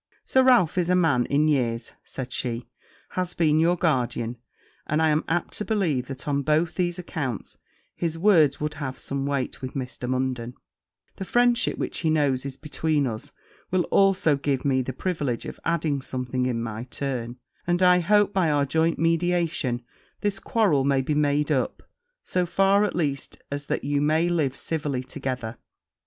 'Sir Ralph is a man in years,' said she; 'has been your guardian; and I am apt to believe that, on both these accounts, his words will have some weight with Mr. Munden: the friendship which he knows is between us, will also give me the privilege of adding something in my turn; and, I hope, by our joint mediation, this quarrel may be made up, so far, at least, as that you may live civilly together.'